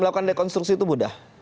melakukan dekonstruksi itu mudah